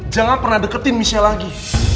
jangan pernah deketin michelle lagi